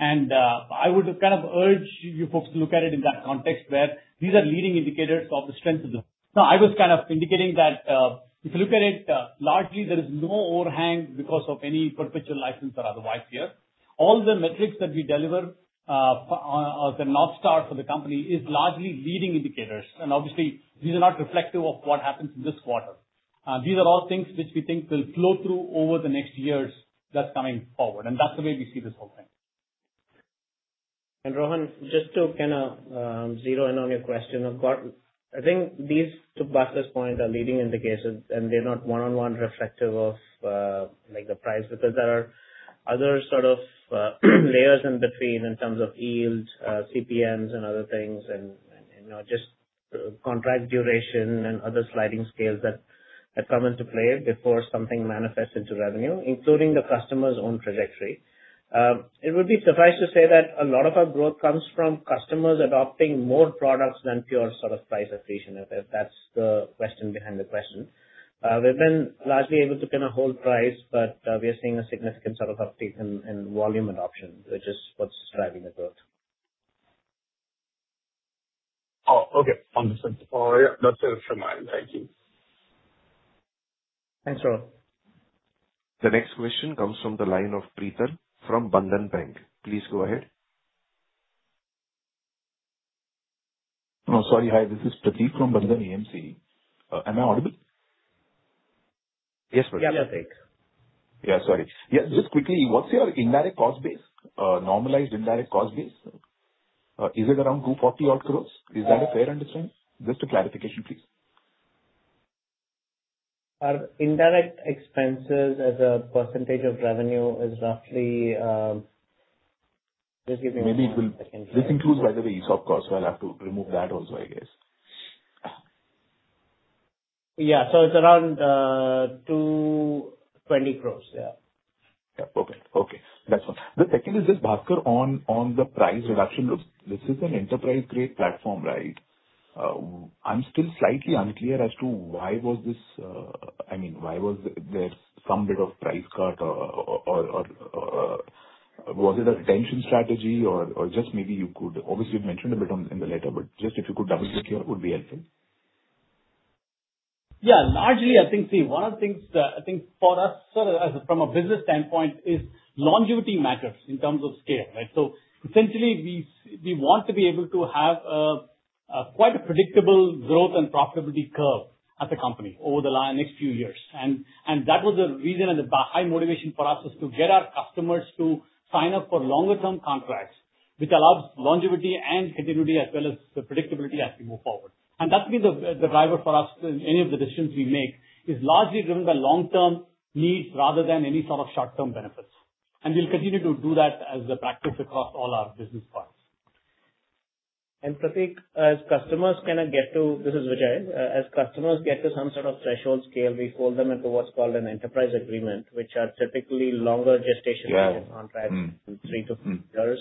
I would kind of urge you folks to look at it in that context where these are leading indicators of the strength of the business. I was kind of indicating that if you look at it largely, there is no overhang because of any perpetual license or otherwise here. All the metrics that we deliver as a North Star for the company is largely leading indicators. Obviously these are not reflective of what happens in this quarter. These are all things which we think will flow through over the next years that's coming forward, and that's the way we see this whole thing. Rohan, just to kind of zero in on your question. I think these, to Bhaskar's point, are leading indicators and they're not one-on-one reflective of the price because there are other sort of layers in between in terms of yields, CPMs and other things and just contract duration and other sliding scales that come into play before something manifests into revenue, including the customer's own trajectory. It would be suffice to say that a lot of our growth comes from customers adopting more products than pure sort of price efficient, if that's the question behind the question. We've been largely able to pin a whole price, but we are seeing a significant sort of uptake in volume adoption, which is what's driving the growth. Okay. Understood. Yeah, that's it from my end. Thank you. Thanks, Rohan. The next question comes from the line of Preetham from Bandhan AMC. Please go ahead. No, sorry. Hi, this is Pradeep from Bandhan AMC. Am I audible? Yes. Yeah. Yeah. Sorry. Yeah. Just quickly, what's your indirect cost base, normalized indirect cost base? Is it around 240 odd crores? Is that a fair understanding? Just a clarification, please. Our indirect expenses as a percentage of revenue is roughly, just give me one second here. Maybe this includes, by the way, ESOP costs, so I'll have to remove that also, I guess. Yeah. It's around 220 crores. Yeah. Yeah. Okay. That's fine. The second is just, Baskar, on the price reduction. Look, this is an enterprise-grade platform, right? I'm still slightly unclear as to why was there some bit of price cut or was it a retention strategy or just maybe you could Obviously you've mentioned a bit in the letter, but just if you could double click here, would be helpful. Yeah, largely, I think, one of the things that, I think for us from a business standpoint is longevity matters in terms of scale, right? Essentially we want to be able to have quite a predictable growth and profitability curve as a company over the next few years. That was the reason and the high motivation for us was to get our customers to sign up for longer term contracts, which allows longevity and continuity as well as the predictability as we move forward. That's been the driver for us in any of the decisions we make is largely driven by long-term needs rather than any sort of short-term benefits. We'll continue to do that as a practice across all our business parts. This is Vijay. As customers get to some sort of threshold scale, we fold them into what's called an enterprise agreement, which are typically longer gestation- Yeah period contracts, three to five years.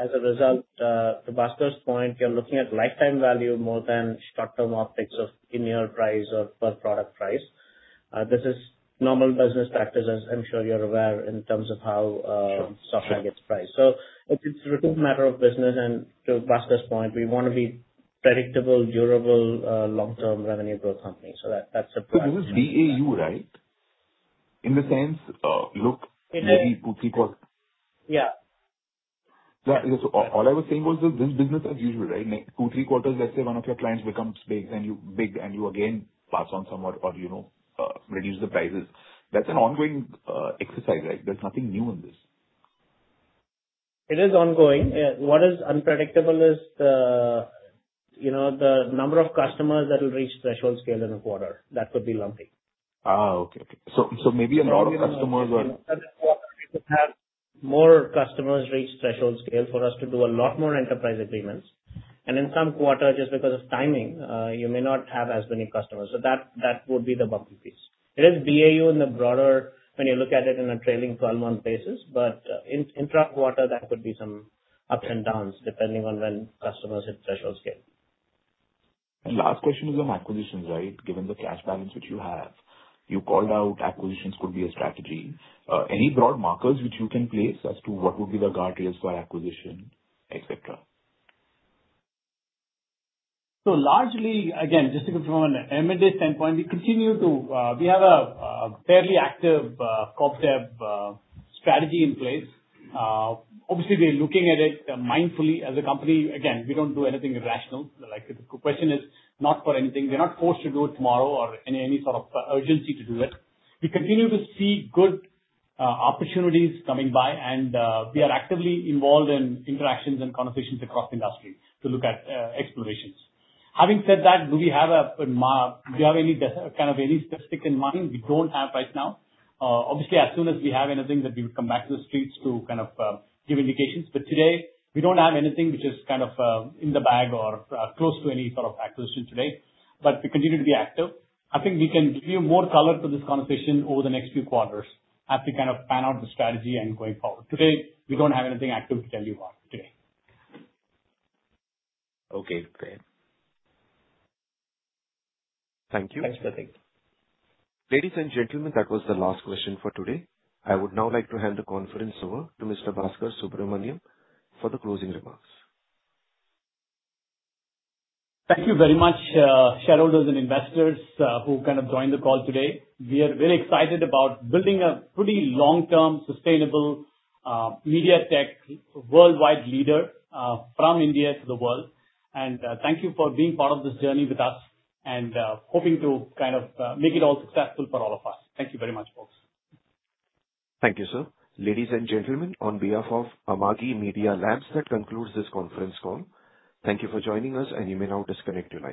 As a result, to Bhaskar's point, you're looking at lifetime value more than short-term optics of annual price or per product price. This is normal business practice, as I'm sure you're aware, in terms of how- Sure software gets priced. It's a matter of business and to Bhaskar's point, we want to be predictable, durable, long-term revenue growth company. That's the plan. This is BAU, right? In the sense, look, maybe two, three quarters. Yeah. all I was saying was, this is business as usual, right? Two, three quarters, let's say one of your clients becomes big, and you again pass on some or reduce the prices. That's an ongoing exercise, right? There's nothing new in this. It is ongoing. What is unpredictable is the number of customers that will reach threshold scale in a quarter. That could be lumpy. Okay. maybe a lot of customers are. We could have more customers reach threshold scale for us to do a lot more enterprise agreements. In some quarters, just because of timing, you may not have as many customers. That would be the bumpy piece. It is BAU in the broader, when you look at it in a trailing 12-month basis, but intra-quarter, that could be some ups and downs depending on when customers hit threshold scale. Last question is on acquisitions, right? Given the cash balance which you have, you called out acquisitions could be a strategy. Any broad markers which you can place as to what would be the guardrails for acquisition, et cetera? Largely, again, just from an M&A standpoint, we have a fairly active Corp Dev strategy in place. Obviously, we are looking at it mindfully as a company. Again, we don't do anything irrational. The question is not for anything. We're not forced to do it tomorrow or any sort of urgency to do it. We continue to see good opportunities coming by and we are actively involved in interactions and conversations across industries to look at explorations. Having said that, do we have any kind of any specific in mind? We don't have right now. Obviously, as soon as we have anything then we would come back to the streets to give indications. Today, we don't have anything which is in the bag or close to any sort of acquisition today. We continue to be active. I think we can give you more color to this conversation over the next few quarters as we plan out the strategy and going forward. Today, we don't have anything active to tell you about today. Okay, great. Thank you. Thank you. Ladies and gentlemen, that was the last question for today. I would now like to hand the conference over to Mr. Baskar Subramanian for the closing remarks. Thank you very much, shareholders and investors who joined the call today. We are very excited about building a pretty long-term, sustainable media tech worldwide leader from India to the world. Thank you for being part of this journey with us, and hoping to make it all successful for all of us. Thank you very much, folks. Thank you, sir. Ladies and gentlemen, on behalf of Amagi Media Labs, that concludes this conference call. Thank you for joining us. You may now disconnect your lines.